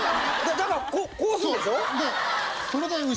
だからこうするでしょ？